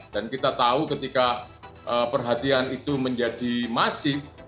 kita tahu ketika perhatian itu menjadi masif